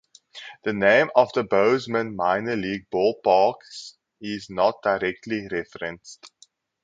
The name of the Bozeman minor league ballpark(s) is not directly referenced.